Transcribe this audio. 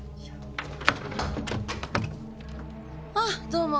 あどうも。